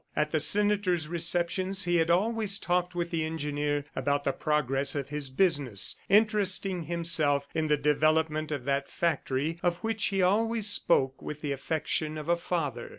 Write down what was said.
At the senator's receptions he had always talked with the engineer about the progress of his business, interesting himself in the development of that factory of which he always spoke with the affection of a father.